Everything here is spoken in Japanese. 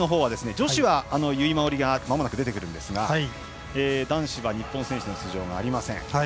女子は由井真緒里がまもなく出てくるんですが男子は日本選手の出場がありません。